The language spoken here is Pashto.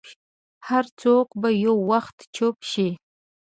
هر څوک به یو وخت چوپ شي.